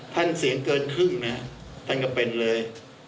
ท่านเสียงเกินครึ่งมันก็เป็นเลย